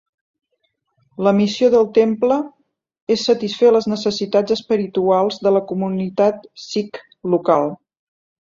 La missió del temple, és satisfer les necessitats espirituals de la comunitat sikh local.